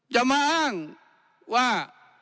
จะมาอ้างว่า